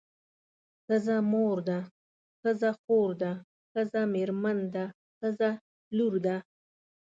ښځه مور ده ښځه خور ده ښځه مېرمن ده ښځه لور ده.